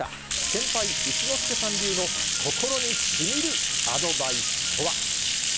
先輩、一之輔さん流の心にしみるアドバイスとは。